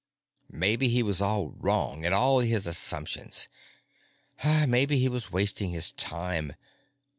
Maybe he was all wrong in all of his assumptions; maybe he was wasting his time.